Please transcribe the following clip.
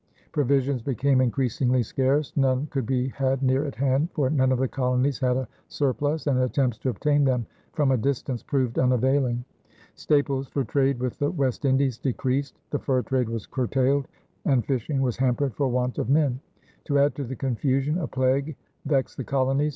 Provisions became increasingly scarce; none could be had near at hand, for none of the colonies had a surplus; and attempts to obtain them from a distance proved unavailing. Staples for trade with the West Indies decreased; the fur trade was curtailed; and fishing was hampered for want of men. To add to the confusion, a plague vexed the colonies.